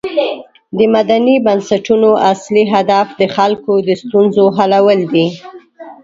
د مدني بنسټونو اصلی هدف د خلکو د ستونزو حلول دي.